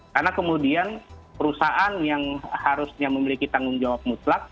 karena kemudian perusahaan yang harusnya memiliki tanggung jawab mutlak